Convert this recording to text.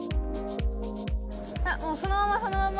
もうそのままそのまま！